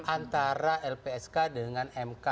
antara lpsk dengan mk